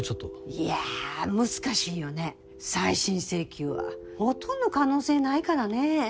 いや難しいよね再審請求は。ほとんど可能性ないからね。